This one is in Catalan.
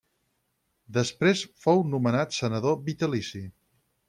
Després fou nomenat senador vitalici.